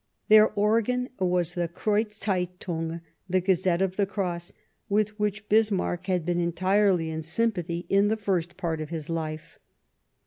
Their organ was the Kreuz Zeitung (the Gazette of the Cross), with which Bismarck had been entirely in sympathy in the first part of his life.